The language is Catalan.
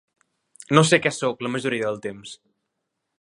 No sé què sóc la majoria del temps.